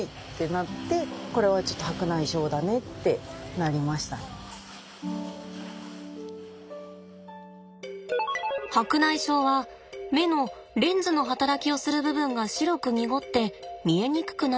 ふとした時に白内障は目のレンズの働きをする部分が白く濁って見えにくくなる病気です。